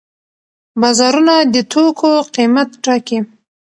بازارونه د توکو قیمت ټاکي.